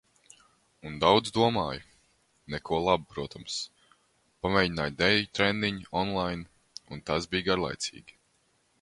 Un daudz domāju. Neko labu, protams. Pamēģināju deju treniņu online un tas bija garlaicīgi.